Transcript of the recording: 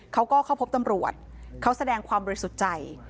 เขาก็เข้าพบตำรวจเขาแสดงความฤทธิ์สุดใจ